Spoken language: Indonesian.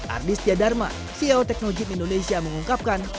ardis tia dharma ceo tekno gym indonesia mengungkapkan